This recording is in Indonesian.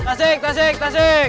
tasik tasik tasik